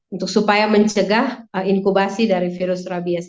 untuk supaya mencegah inkubasi dari virus rabies